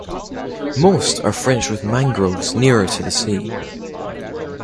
Most are fringed with mangroves nearer to the sea.